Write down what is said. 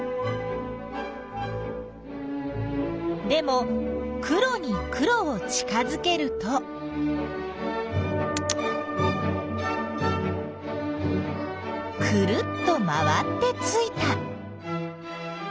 でも黒に黒を近づけるとくるっと回ってついた。